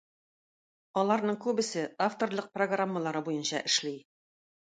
Аларның күбесе авторлык программалары буенча эшли